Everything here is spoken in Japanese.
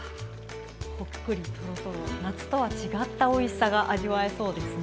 ほっくりとろとろ夏とは違ったおいしさが味わえそうですね。